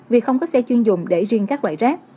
vì không có xe chuyên dùng để riêng các loại rác